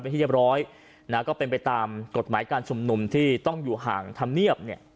เป็นที่เรียบร้อยนะก็เป็นไปตามกฎหมายการชุมนุมที่ต้องอยู่ห่างธรรมเนียบเนี่ย